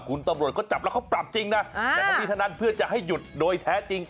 คุณตำรวจเขาจับแล้วเขาปรับจริงนะแต่ทั้งนี้ทั้งนั้นเพื่อจะให้หยุดโดยแท้จริง